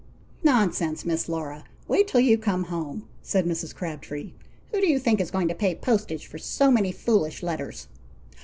"Nonsense! Miss Laura! wait till you come home," said Mrs. Crabtree. "Who do you think is going to pay postage for so many foolish letters?"